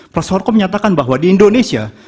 prof harko menyatakan bahwa di indonesia